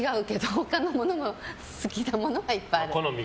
他のものも好きなものはいっぱいある。